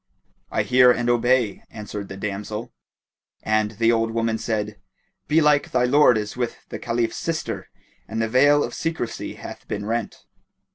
"I hear and I obey," answered the damsel and the old woman said, "Belike thy lord is with the Caliph's sister and the veil of secrecy hath been rent."